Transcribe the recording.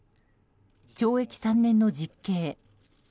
懲役３年の実刑。